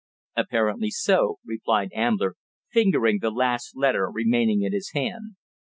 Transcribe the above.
"Apparently so," replied Ambler, fingering the last letter remaining in his hand.